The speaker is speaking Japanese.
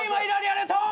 ありがとう！